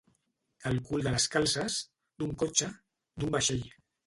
El cul de les calces, d'un cotxe, d'un vaixell.